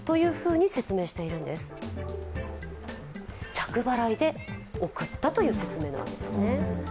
着払いで送ったという説明なわけですね。